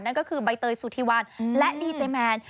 นั่นก็คือใบเตยสุธีวันและดีเจแมน